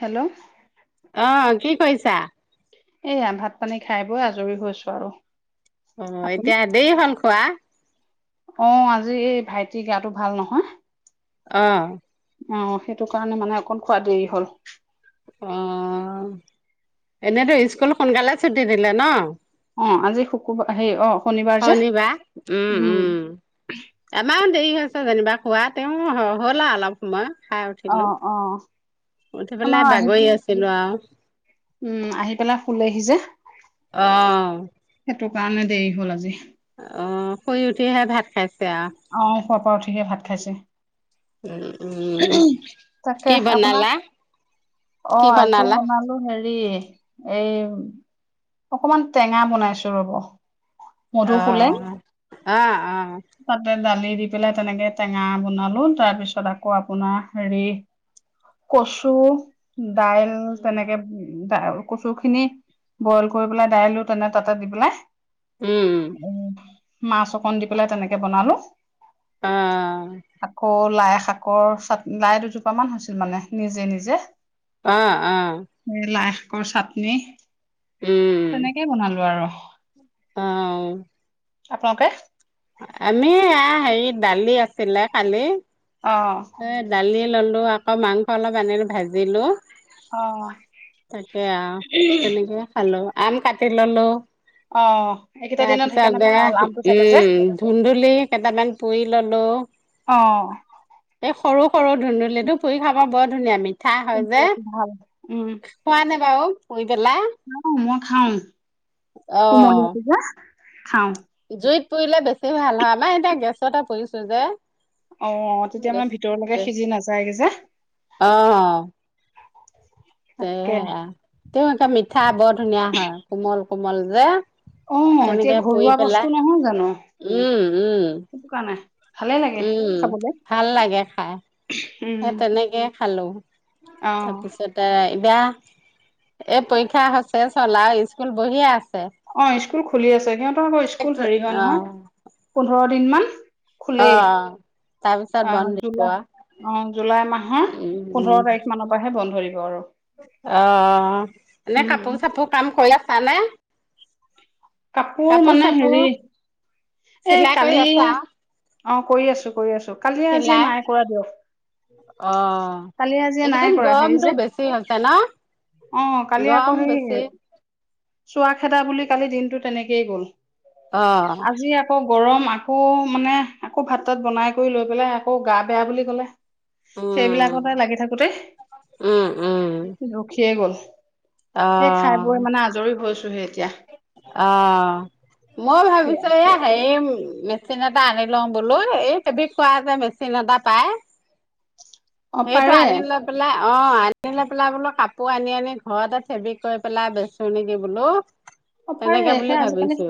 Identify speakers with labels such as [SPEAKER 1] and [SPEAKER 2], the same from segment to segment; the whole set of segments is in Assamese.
[SPEAKER 1] হেল্ল'।
[SPEAKER 2] অ' কি কৰিছা?
[SPEAKER 1] এইয়া ভাত পানী খাই বৈ আজৰি হৈছো আৰু।
[SPEAKER 2] অ'
[SPEAKER 1] আপুনি
[SPEAKER 2] এতিয়া দেৰি হ'ল খোৱা?
[SPEAKER 1] অ' আজি এই ভাইটি গাটো ভাল নহয়।
[SPEAKER 2] অ
[SPEAKER 1] অ সেইটো কাৰণে মানে অকণ খোৱা দেৰি হ'ল।
[SPEAKER 2] অ এনেইতো স্কুল সোনকালে ছুটি দিলে ন।
[SPEAKER 1] অ আজি শুকুবাৰ হেই অ শনিবাৰ যে উম।
[SPEAKER 2] আমাৰ দেৰি হৈছে যেনিবা খোৱা তেওঁ হ'ল আৰু অলপ সময় খাই উঠিলো।
[SPEAKER 1] অ' অ।
[SPEAKER 2] উঠি
[SPEAKER 1] আমাৰ
[SPEAKER 2] পেলাই
[SPEAKER 1] আহি
[SPEAKER 2] বাগৰি আছিলো আৰু।
[SPEAKER 1] উম আহি পেলাই শুলেহি যে।
[SPEAKER 2] অ।
[SPEAKER 1] সেইটো কাৰণে দেৰি হ'ল আজি।
[SPEAKER 2] অ শুই উঠিহে ভাত খাইছে আৰু।
[SPEAKER 1] অ শুৱাৰ পৰা উঠিহে ভাত খাইছে।
[SPEAKER 2] আৰু উম
[SPEAKER 1] উ
[SPEAKER 2] উম
[SPEAKER 1] হু ম
[SPEAKER 2] কি
[SPEAKER 1] তাকে আপোনাৰ।
[SPEAKER 2] বনালা
[SPEAKER 1] অ
[SPEAKER 2] কি
[SPEAKER 1] আজি
[SPEAKER 2] বনালা
[SPEAKER 1] বনালো। তোৰ হেৰি এই অকমান টেঙা বনাইছো ৰব।
[SPEAKER 2] অ
[SPEAKER 1] মধুসোলেং
[SPEAKER 2] অ অ।
[SPEAKER 1] তাতে দালি দি পেলাই তেনেকে টেঙা বনালো তাৰ পিছত আকৌ আপোনাৰ হেৰি। কচু দাইল তেনেকে উ দ। কচু খিনি বইল কৰি পেলাই দাইলো তেনে তাতে দি পেলাই।
[SPEAKER 2] উম
[SPEAKER 1] মাছ অকন দি পেলাই তেনেকে বনালো
[SPEAKER 2] অ
[SPEAKER 1] আকৌ লাই শাক। শাকৰ চাত, লাই দুজোপ মান হৈছিল মানে, নিজে নিজে।
[SPEAKER 2] অ', অ'।
[SPEAKER 1] এ লাই শাকৰ চাটনি,
[SPEAKER 2] উম
[SPEAKER 1] তেনেকেই বনালো আৰু।
[SPEAKER 2] অ'।
[SPEAKER 1] আপোনালোকে?
[SPEAKER 2] আমি এয়া হেৰি, দালি আছিলে কালি।
[SPEAKER 1] অ'।
[SPEAKER 2] এ দালি ল'লো, আকৌ মাংস অলপ আনিলো ভাজিলো।
[SPEAKER 1] অ
[SPEAKER 2] তাকে আৰু, তেনেকে খালো আম কাটি ল'লো।
[SPEAKER 1] অ এইকেইটা দিনত
[SPEAKER 2] তাৰপিছত
[SPEAKER 1] সেইকাৰণে
[SPEAKER 2] বেয়া,
[SPEAKER 1] ভাল আমটো থাকে যে
[SPEAKER 2] উম। ধুন্দুলি কেইটামান পুৰি ল'লো।
[SPEAKER 1] অ
[SPEAKER 2] এই সৰু, সৰু ধুন্দুুলিটো, পুৰি খাবা বৰ ধুনীয়া, মি মিঠা হয় যে,
[SPEAKER 1] কুমলীয়াটো ভাল
[SPEAKER 2] খোৱা নে বাৰু পুৰি পেলাই?
[SPEAKER 1] অ', মই খাওঁ,
[SPEAKER 2] অ
[SPEAKER 1] কুমলীয়াটো যে, খাওঁ।
[SPEAKER 2] জুইত পুৰিলে বেছি ভাল হয়, আমাৰ এতিয়া গেছতে পুৰিছো যে।
[SPEAKER 1] অ', তেতিয়া
[SPEAKER 2] গেছ
[SPEAKER 1] মানে ভিতৰলৈকে
[SPEAKER 2] গেছ
[SPEAKER 1] সিজি নাযায় গৈ যে।
[SPEAKER 2] অ'।
[SPEAKER 1] তাকে
[SPEAKER 2] সেয়া, তেনেকে মিঠা বৰ ধুনীয়া হয়, কোমল, কোমল যে।
[SPEAKER 1] অ এতিয়া
[SPEAKER 2] তেনেকে
[SPEAKER 1] ঘৰুৱা
[SPEAKER 2] পুৰি
[SPEAKER 1] বস্তু
[SPEAKER 2] পেলাই, উম, উম।
[SPEAKER 1] খোৱা নাই।
[SPEAKER 2] উম, ভাল লাগে খাই,
[SPEAKER 1] উম
[SPEAKER 2] সেই তেনেকেই খালো।
[SPEAKER 1] অ
[SPEAKER 2] তাৰপিছত এ এতিয়া, এই পৰীক্ষা হৈ চেছ হ'ল আৰু, স্কুল বহিয়ে আছে।
[SPEAKER 1] অ', স্কুল খুলি আছে, সিহঁতৰ আকৌ স্কুল হেৰি হয়
[SPEAKER 2] অ
[SPEAKER 1] নহয়, পোন্ধৰ দিন মান।
[SPEAKER 2] অ'। তাৰপিছত বন্ধ
[SPEAKER 1] অ',
[SPEAKER 2] দিব
[SPEAKER 1] জুলাই অ', জুলাই মাহৰ
[SPEAKER 2] উম উম
[SPEAKER 1] পোন্ধৰ তাৰিখ মানত। পৰাহে বন্ধ দিব আৰু।
[SPEAKER 2] অ', এনে
[SPEAKER 1] উম
[SPEAKER 2] কাপোৰ-চাপোৰ কাম কৰি আছা নে?
[SPEAKER 1] কাপোৰ মানে হেৰি, এই
[SPEAKER 2] চিলাই কৰি
[SPEAKER 1] কালি
[SPEAKER 2] আছা
[SPEAKER 1] অ', কৰি আছো, কৰি আছো। কালিয় আজিয়ে
[SPEAKER 2] চিলাই
[SPEAKER 1] নাই কৰা
[SPEAKER 2] অ
[SPEAKER 1] দিয়ক, কালি আজিয়ে নাই কৰা হেৰি যে
[SPEAKER 2] ফ্ৰি হৈছে ন।
[SPEAKER 1] অ', কালি আকৌ
[SPEAKER 2] গৰম
[SPEAKER 1] হেৰি
[SPEAKER 2] বেছি
[SPEAKER 1] চোৱা খেদা বুলি কালি দিনটো তেনেকেই গ'ল,
[SPEAKER 2] অ'।
[SPEAKER 1] আজি আকৌ গৰম, আকৌ মানে, আকৌ ভাত-তাত বনাই কৰি লৈ পেলাই, আকৌ গা বেয়া বুলি ক'লে।
[SPEAKER 2] উম,
[SPEAKER 1] সেইবিলাকতে লাগি থাকোতে,
[SPEAKER 2] উম, উম।
[SPEAKER 1] ৰখিয়েই গ'ল। সেই খাই বৈ
[SPEAKER 2] অ',
[SPEAKER 1] মানে, আজৰি হৈছোহে এতিয়া।
[SPEAKER 2] অ', মইও
[SPEAKER 1] সেয়া
[SPEAKER 2] ভাবিছিলো এয়া হেৰি, মেচিন এটা আনি লম বোলো, এই ফেব্ৰিক কৰা যে মেচিন এটা পাই
[SPEAKER 1] অ
[SPEAKER 2] সেইটো
[SPEAKER 1] পাৰে
[SPEAKER 2] আনি লৈ পেলাই, অ', আনিলৈ পেলাই বোলো কাপোৰ আনি আনি, ঘৰতে ফেব্ৰিক কৰি পেলাই বেচো নেকি বোলো। [inaudible]
[SPEAKER 1] অ', পাৰে,
[SPEAKER 2] বুলি
[SPEAKER 1] সেই আজিকালি,
[SPEAKER 2] ভাবিছো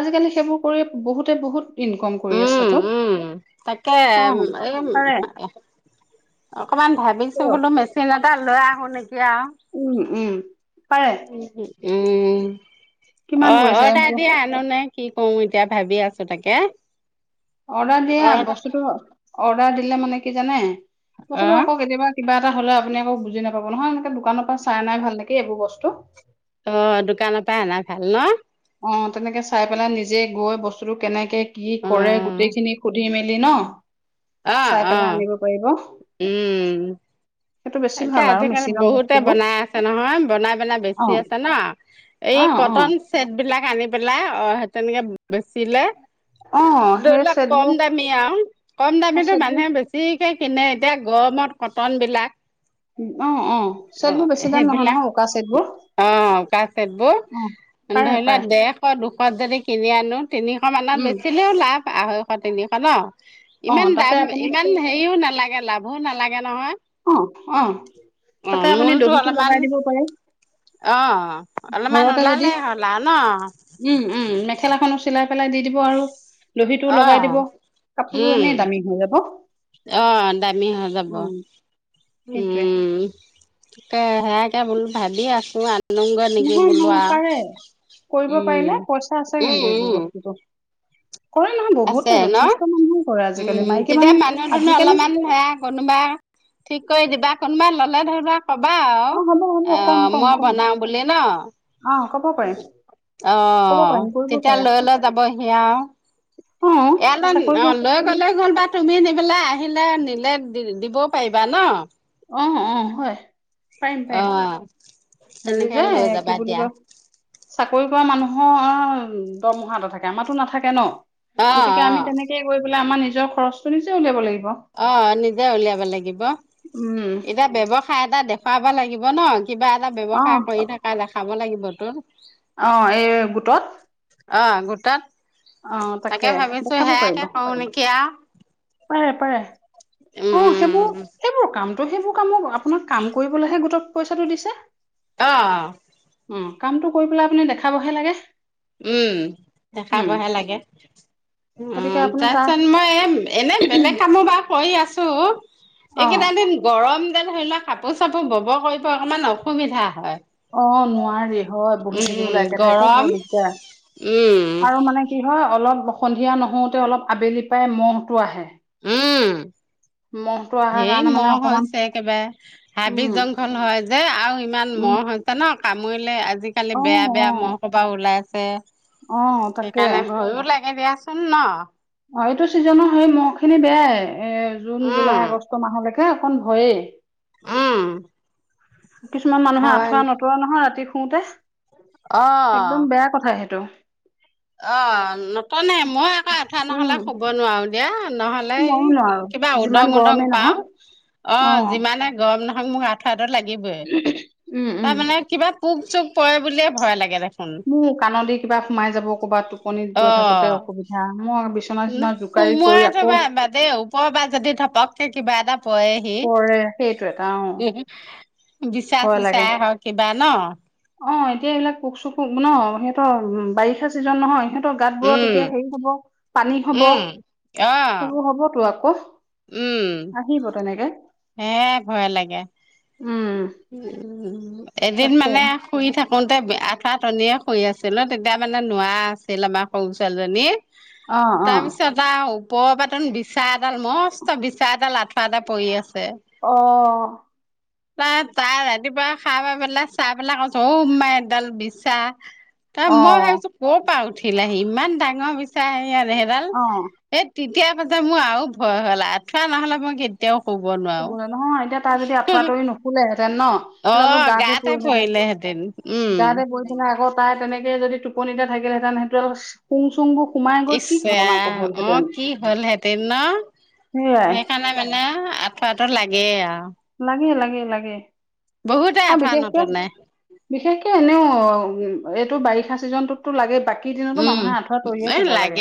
[SPEAKER 1] আজিকালি সেইবোৰ কৰি বহুতে, বহুত ইনকম কৰি
[SPEAKER 2] উম,
[SPEAKER 1] আছ তো,
[SPEAKER 2] উম। তাকে
[SPEAKER 1] অ',
[SPEAKER 2] এই
[SPEAKER 1] পাৰে।
[SPEAKER 2] অকমান ভাবিছো
[SPEAKER 1] কওক
[SPEAKER 2] বোলো, মেচিন এটা লৈ আহো নেকি আৰু।
[SPEAKER 1] উম উম পাৰে
[SPEAKER 2] উম
[SPEAKER 1] কিমান
[SPEAKER 2] অ
[SPEAKER 1] কৰিছে
[SPEAKER 2] অডাৰ দিয়া নো নে কি কৰো এতিয়া ভাবি আছো তাকে
[SPEAKER 1] অৰ্ডাৰ দিয়া
[SPEAKER 2] অ',
[SPEAKER 1] বস্তুটো অৰ্ডাৰ দিলে মানে কি জানে বস্তুটো
[SPEAKER 2] অ',
[SPEAKER 1] আকৌ কেতিয়াবা কিবা এটা হ'লে আপুনি আকৌ বুজি নাপাব নহয় এনেকে দোকানৰ পৰা চাই ভাল নেকি এইবোৰ বস্তু
[SPEAKER 2] অ দোকানৰ পাই আনা ভাল ন
[SPEAKER 1] অ তেনেকে চাই পেলাই নিজে গৈ বস্তুটো কেনেকে কি কৰে
[SPEAKER 2] অ',
[SPEAKER 1] গোটেইখিনি সুধি মেলি ন
[SPEAKER 2] অ',
[SPEAKER 1] চাই পেলাই
[SPEAKER 2] অ',
[SPEAKER 1] আনিব পাৰিব
[SPEAKER 2] উম।
[SPEAKER 1] সেইটো বেছি
[SPEAKER 2] তাকে
[SPEAKER 1] ভাল আৰু
[SPEAKER 2] আজিকালি
[SPEAKER 1] মেচিনৰ
[SPEAKER 2] বহুতে
[SPEAKER 1] বস্তুবোৰ
[SPEAKER 2] বনাই আছে নহয় বনাই বনাই
[SPEAKER 1] অ
[SPEAKER 2] বেছি আছে ন এই
[SPEAKER 1] অ অ
[SPEAKER 2] কটন চছেট বিলাক আনি পেলাই অ সে তেনেকে বেচিলে
[SPEAKER 1] অ
[SPEAKER 2] ধৰি
[SPEAKER 1] সেই
[SPEAKER 2] লক কম
[SPEAKER 1] চেটবোৰ
[SPEAKER 2] দামী আও কম
[SPEAKER 1] অ
[SPEAKER 2] দামিটো
[SPEAKER 1] চেটবোৰ
[SPEAKER 2] মানুহে বেছ বেছিকে কিনে এতিয়া গৰমত কটনবিলাক
[SPEAKER 1] অ অ
[SPEAKER 2] অ
[SPEAKER 1] চেটবোৰ বেছি দাম নহয়
[SPEAKER 2] সেইবিলাক
[SPEAKER 1] নহয় উকা চেটবোৰ
[SPEAKER 2] অ কাচেতবোৰ
[SPEAKER 1] অ পাৰে
[SPEAKER 2] ধৰি লোৱা
[SPEAKER 1] পাৰে
[SPEAKER 2] দেৰশ দুশ যদি কিনি আনো তিনিশ মানত
[SPEAKER 1] উম
[SPEAKER 2] বেচিলেও লাভ আঢ়ৈশ তিনিশ ন
[SPEAKER 1] অ
[SPEAKER 2] ইমান
[SPEAKER 1] তাতে
[SPEAKER 2] দাম
[SPEAKER 1] আপুনি
[SPEAKER 2] ইমান হেৰিও নালাগে লাভো নালাগে নহয়
[SPEAKER 1] অ অ
[SPEAKER 2] অ
[SPEAKER 1] তাতে আপুনি
[SPEAKER 2] মূলটো
[SPEAKER 1] দবিটো
[SPEAKER 2] অলপমান
[SPEAKER 1] লগাই দিব পাৰে
[SPEAKER 2] অ অলপমান
[SPEAKER 1] ঘৰতে যদি
[SPEAKER 2] ওলালে হ'লা আও ন
[SPEAKER 1] উম উম মেখেলাখনো চিলাই পেলাই দি দিব আৰু লভিটো
[SPEAKER 2] অ
[SPEAKER 1] লগাই দিব কাপোৰযোৰ
[SPEAKER 2] উম
[SPEAKER 1] এনেই দামী হৈ যাব
[SPEAKER 2] অ দামী হৈ যাব
[SPEAKER 1] উম সেইটোৱে
[SPEAKER 2] উম তাকে সেয়াকে বোল ভাবি আছো আনুগে নেকি
[SPEAKER 1] নহয় নহয়
[SPEAKER 2] বোলোৱা
[SPEAKER 1] পাৰে কৰিব
[SPEAKER 2] উম
[SPEAKER 1] পাৰিলে পইচা আছে
[SPEAKER 2] উম
[SPEAKER 1] কিন্তু
[SPEAKER 2] উম
[SPEAKER 1] এইবোৰ বস্তুটো কৰে নহয় [unintelligible]
[SPEAKER 2] আছে ন
[SPEAKER 1] যথেষ্ট মানুহে কৰে আজিকালি
[SPEAKER 2] উম
[SPEAKER 1] মাইকী
[SPEAKER 2] তেতিয়া মানুহ দুনহ
[SPEAKER 1] আজিকালি
[SPEAKER 2] অলপমান সেয়া কোনোবা ঠিক কৰি দিবা কোনোবা ললে ধৰিলোৱা কবা আও
[SPEAKER 1] অ হ'ব হ'ব
[SPEAKER 2] অ
[SPEAKER 1] কম কম
[SPEAKER 2] মই
[SPEAKER 1] কম
[SPEAKER 2] বনাও বুলি ন
[SPEAKER 1] অ ক'ব পাৰিম
[SPEAKER 2] অ
[SPEAKER 1] ক'ব পাৰিম কৰিব
[SPEAKER 2] তেতিয়া
[SPEAKER 1] পাৰা
[SPEAKER 2] লৈ লৈ যাব সিয়ি আও
[SPEAKER 1] অ
[SPEAKER 2] এয়ালন
[SPEAKER 1] চাকৰি
[SPEAKER 2] অ
[SPEAKER 1] কৰা,
[SPEAKER 2] লৈ গ'লে হ'ল বা তুমি নিবেলাই আহিলে নিলে দি দিব পাৰিবা ন
[SPEAKER 1] আহ আহ হয় পাৰিম
[SPEAKER 2] অ
[SPEAKER 1] পাৰিম হাৰি
[SPEAKER 2] তেনেকে
[SPEAKER 1] যে
[SPEAKER 2] লৈ যাবা
[SPEAKER 1] কি বুলি
[SPEAKER 2] দিয়া
[SPEAKER 1] ক চাকৰি কৰা মানুহৰ দৰমহা এটা থাকে আমাৰো নাথাকে ন
[SPEAKER 2] অ
[SPEAKER 1] গতিকে আমি তেনেকে গৈ পেলাই আমাৰ নিজৰ খৰচটো নিজে উলিয়াব লাগিব
[SPEAKER 2] অ নিজে উলিয়াব লাগিব
[SPEAKER 1] উম
[SPEAKER 2] এতিয়া ব্যৱসায় এটা দেখুৱাব লাগিব ন! কিবা এটা
[SPEAKER 1] অ
[SPEAKER 2] ব্যৱসায় কৰি থাক কা দেখাব লাগিব তোৰ
[SPEAKER 1] অ, এই গোটত
[SPEAKER 2] অ গোটত,
[SPEAKER 1] অ
[SPEAKER 2] তাকে ভাবিছোঁ
[SPEAKER 1] দেখাব
[SPEAKER 2] সেয়াকে
[SPEAKER 1] পাৰিব
[SPEAKER 2] কওঁ নেকি সেয়া
[SPEAKER 1] পাৰে, পাৰে। অ সেইবোৰ,
[SPEAKER 2] উম
[SPEAKER 1] সেইবোৰ কাম ত' সেইবোৰ কামক আপোনাক কাম কৰিবলৈহে গোটত পইচাটো দিছে।
[SPEAKER 2] অ
[SPEAKER 1] উম, কামটো কৰি পেলাই আপুনি দেখাবহে লাগে।
[SPEAKER 2] উম,
[SPEAKER 1] উম
[SPEAKER 2] দেখাবহে লাগে।
[SPEAKER 1] গতিকে
[SPEAKER 2] উম,
[SPEAKER 1] আপুনি
[SPEAKER 2] তাৰ পিছত মই এ এনে বেলেগ কামো বাৰু কৰি আছোঁ।
[SPEAKER 1] অ
[SPEAKER 2] এইকেইটা দিন গৰম যেন ধৰি লোৱা কাপোৰ-চাপোৰ বব কৰিব অকমান অসুবিধা হয়।
[SPEAKER 1] অঁ, নোৱাৰি হয়, বহি
[SPEAKER 2] উম
[SPEAKER 1] থাকিবলৈ একে ঠাইতে
[SPEAKER 2] গৰম
[SPEAKER 1] বৰ দিগদাৰ
[SPEAKER 2] উম
[SPEAKER 1] আৰু মানে- কি হয়! অলপ সন্ধিয়া নহওঁতে অলপ আবেলি পাই মহটো আহে।
[SPEAKER 2] উম,
[SPEAKER 1] মহটো অহাৰ
[SPEAKER 2] ধেই
[SPEAKER 1] কাৰণে মানে
[SPEAKER 2] মহ
[SPEAKER 1] অকমান
[SPEAKER 2] হৈছে একেবাৰে। হাবি
[SPEAKER 1] উম
[SPEAKER 2] জংঘল হয় যে, আৰু ইমান
[SPEAKER 1] উম
[SPEAKER 2] মহ হয়- ছে ন! কামুৰিলে আজিকালি
[SPEAKER 1] অ
[SPEAKER 2] বেয়া বেয়া মহ
[SPEAKER 1] অ
[SPEAKER 2] সোপা ওলাইছে।
[SPEAKER 1] অ তাকে
[SPEAKER 2] সেইকাৰণে ভয়ো লাগে দিয়াচোন ন!
[SPEAKER 1] অঁ, এইটো ছিজনৰ সেই মহখিনি বেয়াই। এ জুন, জুলাই,
[SPEAKER 2] উম
[SPEAKER 1] আগষ্ট মাহলৈকে অকণ ভয়েই।
[SPEAKER 2] উম।
[SPEAKER 1] কিছুমান মানুহে
[SPEAKER 2] হয়
[SPEAKER 1] আঁঠুৱা নতোৰে নহয় ৰাতি শুওতে।
[SPEAKER 2] অ
[SPEAKER 1] একদম বেয়া কথা সেইটো।
[SPEAKER 2] অঁ, নতনে। মই আকৌ আঠোৱা নহ'লে
[SPEAKER 1] উম
[SPEAKER 2] শুব নোৱাৰো দিয়া, নহ'লে
[SPEAKER 1] ময়ো
[SPEAKER 2] ই-
[SPEAKER 1] নোৱাৰো
[SPEAKER 2] কিবা
[SPEAKER 1] যিমান
[SPEAKER 2] উদং উদং
[SPEAKER 1] গৰমেই
[SPEAKER 2] পাওঁ।
[SPEAKER 1] নহওক অ
[SPEAKER 2] অঁ, যিমানে গৰম নহক মোক ৰাতি- চাদৰ লাগিবই।
[SPEAKER 1] উম উম
[SPEAKER 2] তাৰমানে, কিবা পোক-চোক পৰে বুলিয়ে ভয় লাগে দেখোন।
[SPEAKER 1] উম, কাণদিগি- কিবা সোমাই যাব ক'ৰবাত, টোপনিত
[SPEAKER 2] অ
[SPEAKER 1] গৈ থাকোতে অসুবিধা, মই বিচনা-চিচনা জোকাৰি গৈ আকৌ-
[SPEAKER 2] এ ওপৰৰপৰা যদি ধপককে কিবা এটা পৰে।
[SPEAKER 1] পৰে, সেইটো এটা, অঁ।
[SPEAKER 2] বিচা-চিচাই হক কিবা ন!
[SPEAKER 1] অঁ, এতিয়া এইবিলাক পোক-চোক হ'ব ন, সিহঁতৰ বাৰিষা চিজন নহয়, সিহঁত- সিহঁতৰ গাতবোৰত
[SPEAKER 2] উম
[SPEAKER 1] এতিয়া হেৰি হ'ব, পানী হ'ব।
[SPEAKER 2] উম অ
[SPEAKER 1] সেইবোৰ হ'বতো আকৌ।
[SPEAKER 2] উম।
[SPEAKER 1] আহিব তেনেকে।
[SPEAKER 2] হে ভয়ে লাগে।
[SPEAKER 1] উম।
[SPEAKER 2] এদিন
[SPEAKER 1] তাকে
[SPEAKER 2] মানে- শুই থাকোঁতে আঠোৱা টনীয়ে শুই আছিল, তেতিয়া মানে নোৱাৰা আছিল আমাৰ সৰু ছোৱালীজনী।
[SPEAKER 1] অ
[SPEAKER 2] তাৰ
[SPEAKER 1] অ
[SPEAKER 2] পিছত- তাৰ ওপৰৰ পাতোন বিচা এডাল, মস্ত বিচা এডাল আঠুৱাতে এটা পৰি আছে।
[SPEAKER 1] অঁ।
[SPEAKER 2] তা তাই ৰাতিপুৱা সাৰ পাই পেলাই চাই পেলাই কৈছে, অওঁ মা এইডাল বিচা। তা
[SPEAKER 1] অ
[SPEAKER 2] মই ভাবিছোঁ ক'ৰপৰা উঠিল আহি ইমান ডাঙৰ বিচা সেয়া এইডাল।
[SPEAKER 1] অ
[SPEAKER 2] এই তেতিয়াৰ পৰাটো মোৰ আৰু ভয় হ'ল, আঠুৱা নহ'লে মই কেতিয়াও শুব নোৱাৰোঁ।
[SPEAKER 1] শুবলৈ নহয়, এতিয়া তাই যদি আঠুৱা তৰি নু- শুলেহেঁতেন ন,
[SPEAKER 2] অ
[SPEAKER 1] সিডালটো গাতে পৰিলহেঁতেন।
[SPEAKER 2] পৰিলেহেঁতেন উম
[SPEAKER 1] গাতে পৰি- নাই আকৌ তাই তেনেকে যদি টোপনিতে থাকিলেহেঁতেন, সেইটো- শুং-চুংবোৰ সোমাই গৈ কি
[SPEAKER 2] ইচ্ছা
[SPEAKER 1] ঘটনা ক
[SPEAKER 2] অ
[SPEAKER 1] হলহেঁতেন,
[SPEAKER 2] কি হ'লহেঁতেন ন
[SPEAKER 1] সেয়াই।
[SPEAKER 2] সেইকাৰণে আঠুৱা এটা লাগেই আৰু।
[SPEAKER 1] লাগে, লাগে, লাগে
[SPEAKER 2] বহুতে
[SPEAKER 1] আৰু
[SPEAKER 2] আঁঠুৱা
[SPEAKER 1] বিশেষকে-
[SPEAKER 2] নটনে
[SPEAKER 1] বিশেষকে এনেও অঁ উ এইটো বাৰিষা চিজনটোত- টো লাগেই, বাকী দিনতো
[SPEAKER 2] উম
[SPEAKER 1] মানুহে আঠুৱা তৰিয়ে
[SPEAKER 2] এ
[SPEAKER 1] শুব লাগে,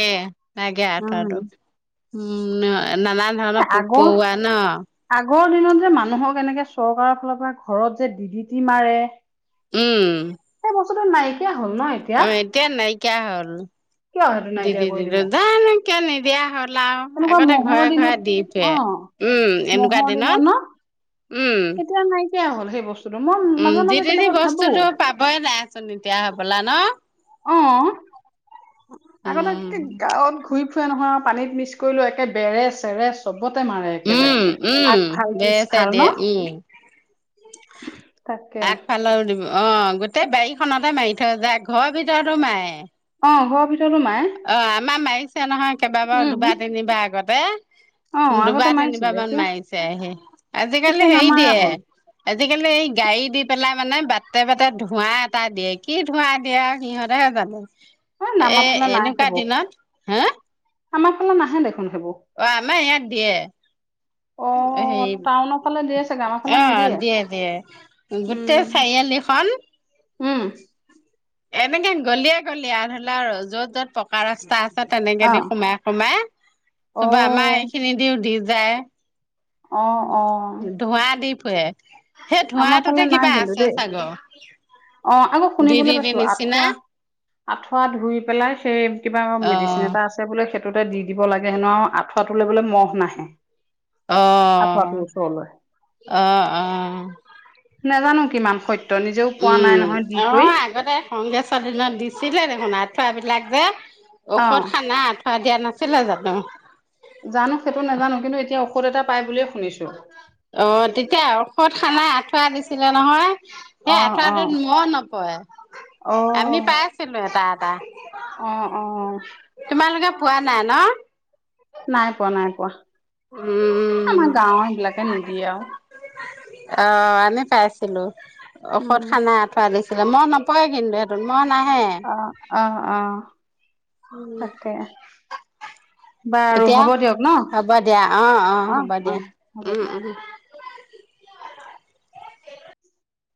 [SPEAKER 2] লাগে
[SPEAKER 1] উম।
[SPEAKER 2] আঁঠুৱাটো উম, এ নানান
[SPEAKER 1] এ
[SPEAKER 2] ধৰণৰ
[SPEAKER 1] আগৰ
[SPEAKER 2] পোক-পৰুৱা ন।
[SPEAKER 1] আগৰ দিনত যে মানুহক এনেকে চৰকাৰৰ ফালৰ পৰা ঘৰত যে ডি ডি টি মাৰে।
[SPEAKER 2] উম।
[SPEAKER 1] সেই বস্তুটো নাই- কিয়া হ'ল ন [unintelligible] এতি
[SPEAKER 2] অ' এতিয়া নাইকিয়া হ'ল।
[SPEAKER 1] কিয় সেইটো
[SPEAKER 2] দি
[SPEAKER 1] নাইকিয়া
[SPEAKER 2] দি [unintelligible]
[SPEAKER 1] কৰি
[SPEAKER 2] টি
[SPEAKER 1] দিলে
[SPEAKER 2] জানো কিয় নিদিয়া হ'ল আৰু
[SPEAKER 1] তেনেকুৱা
[SPEAKER 2] আগতে
[SPEAKER 1] মহৰ
[SPEAKER 2] ঘৰে ঘৰে
[SPEAKER 1] দিনত
[SPEAKER 2] দি ফুৰে।
[SPEAKER 1] অ
[SPEAKER 2] উম, এনেকুৱা
[SPEAKER 1] মহৰ
[SPEAKER 2] দিনত,
[SPEAKER 1] ন
[SPEAKER 2] উম।
[SPEAKER 1] এতিয়া নাইকিয়া হ'ল সেই বস্তুটো, মই মাজে মাজে কেতিয়াবা ভাবো।
[SPEAKER 2] খবৰে নাই চোন এতিয়া হ'বলা ন?
[SPEAKER 1] অ'।
[SPEAKER 2] [unintelligible]
[SPEAKER 1] আগতে একে
[SPEAKER 2] উম
[SPEAKER 1] গাঁৱত ঘূৰি ফুৰে নহয়, পানীত মিক্স কৰিলো একে বেৰে-চেৰে চবতে মাৰে একেবাৰে,
[SPEAKER 2] উম উম
[SPEAKER 1] আগফাল,
[SPEAKER 2] বেছে
[SPEAKER 1] পিছফাল
[SPEAKER 2] দিয়ে
[SPEAKER 1] ন?
[SPEAKER 2] উম
[SPEAKER 1] তাকে
[SPEAKER 2] আগফালৰ দিব অ' গোটেই বাৰীখনতে মাৰি থৈ যায়, ঘৰৰ ভিতৰতো মাৰে।
[SPEAKER 1] অ' ঘৰৰ ভিতৰতো মাৰে।
[SPEAKER 2] অ' আমাৰ মাৰিছে নহয়, কেইবাবাৰো
[SPEAKER 1] উম
[SPEAKER 2] দুবাৰ তিনিবাৰ
[SPEAKER 1] অ
[SPEAKER 2] আগতে।
[SPEAKER 1] আগতে
[SPEAKER 2] দুবাৰ - তিনিবাৰ
[SPEAKER 1] মাৰিছিলে
[SPEAKER 2] মান
[SPEAKER 1] এতিয়া
[SPEAKER 2] মাৰিছে হে, আহি
[SPEAKER 1] এতিয়া
[SPEAKER 2] আজিকালি হেৰি
[SPEAKER 1] নামাৰা
[SPEAKER 2] দিয়ে
[SPEAKER 1] হ'ল
[SPEAKER 2] আজিকালি এই গাড়ী দি পেলাই মানে বাটে -বাটে ধোৱা এটা দিয়ে, কি ধুৱা দিয়ে [unintelligible] আৰু সিহঁতেহে জানে।
[SPEAKER 1] হয়
[SPEAKER 2] এ
[SPEAKER 1] আমাৰ ফালে নাহে
[SPEAKER 2] এনেকুৱা
[SPEAKER 1] সেইবোৰ।
[SPEAKER 2] দিনত হা
[SPEAKER 1] আমাৰ ফালে নাহে দেখোন সেইবোৰ।
[SPEAKER 2] অ' আমাৰ ইয়াক
[SPEAKER 1] অ
[SPEAKER 2] দিয়ে, এ'
[SPEAKER 1] টাউনৰ ফালে দিয়ে চাগে আমাৰ ফালে
[SPEAKER 2] হেৰি। অ'
[SPEAKER 1] নিদিয়ে
[SPEAKER 2] দিয়ে দিয়ে গোটেই
[SPEAKER 1] উম
[SPEAKER 2] চাৰিআলিখন।
[SPEAKER 1] উম।
[SPEAKER 2] এনেকে গলিয়ে, গলিয়ে আৰু ধৰি ল', য'ত -য'ত পকা ৰাস্তা আছে তা [unintelligible] তেনেকে
[SPEAKER 1] অ
[SPEAKER 2] দি সোমাই সোমাই, চবৰ আমাৰ
[SPEAKER 1] অ
[SPEAKER 2] এই খিনি দিও দি যায়।
[SPEAKER 1] অ', অ',
[SPEAKER 2] ধোঁৱা দি ফুৰে, সেই
[SPEAKER 1] আমাৰ ফালে
[SPEAKER 2] ধোঁৱাটোতে
[SPEAKER 1] নাই
[SPEAKER 2] কিবা
[SPEAKER 1] কিন্তু
[SPEAKER 2] আছে
[SPEAKER 1] দেই।
[SPEAKER 2] চাগৈ।
[SPEAKER 1] অ' আকৌ
[SPEAKER 2] দি দি
[SPEAKER 1] শুনিবলৈ
[SPEAKER 2] দি
[SPEAKER 1] পাইছো
[SPEAKER 2] নিচিনা
[SPEAKER 1] আঁঠুৱা আঁঠুৱা ধুই পেলাই, সেই কিবা
[SPEAKER 2] অ
[SPEAKER 1] মেডিচিন এটা আছে বোলে সেইটোতে দি দিব লাগে হেনো আৰু আঁঠুৱা তুলৈ [unintelligible] বোলে ম'হ নাহে। আঁঠুৱাটোৰ
[SPEAKER 2] অহ',
[SPEAKER 1] ওচৰলৈ।
[SPEAKER 2] অহ', অহ'।
[SPEAKER 1] নাজানো কিমান সত্য নিজেও পোৱা নাই
[SPEAKER 2] উম,
[SPEAKER 1] নহয় দি কৰি।
[SPEAKER 2] অ' আগতে কংগ্ৰেছৰ দিনত দিছিলে দেখোন আঁঠুৱা বিলাক যে।
[SPEAKER 1] অ',
[SPEAKER 2] ঔষধ সানা আঁঠুৱা দিয়া নাছিলে জানো?
[SPEAKER 1] জানো, সেইটো নাজানো কিন্তু এতিয়া ঔষধ এটা পাই বুলিয়ে শুনিছো।
[SPEAKER 2] অ' তেতিয়া ঔষধ সানা আঁঠুৱা দিছিলে নহয়। সেই
[SPEAKER 1] অ',
[SPEAKER 2] আঁঠুৱাটোত
[SPEAKER 1] অ',
[SPEAKER 2] ম'হ নপৰে, আমি
[SPEAKER 1] অ',
[SPEAKER 2] পাইছিলো এটা এটা।
[SPEAKER 1] অ', অহ'।
[SPEAKER 2] তোমালোকে পোৱা নাই ন?
[SPEAKER 1] নাই পোৱা, নাই পোৱা।
[SPEAKER 2] উম
[SPEAKER 1] আমাৰ গাঁওৰ সেইবিলাকে নিদিয়ে আৰু।
[SPEAKER 2] অ' আমি পাইছিলো, ঔষধ
[SPEAKER 1] উম,
[SPEAKER 2] সানা আ আঁঠুৱা আনিছে, মই নপৰে কিন্তু সেইটোত মই নাহে।
[SPEAKER 1] অ', অ', অ'।
[SPEAKER 2] উম।
[SPEAKER 1] তাকে বাৰু
[SPEAKER 2] এতিয়া
[SPEAKER 1] হ'ব দিয়ক ন।
[SPEAKER 2] হ'ব দিয়া, অ', অ' হ'ব
[SPEAKER 1] অ
[SPEAKER 2] দিয়া।
[SPEAKER 1] হ'ব দে
[SPEAKER 2] উম, উম।